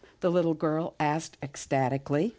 the little girl asked ecstatically.